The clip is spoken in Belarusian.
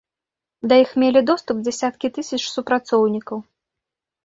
Да іх мелі доступ дзясяткі тысяч супрацоўнікаў.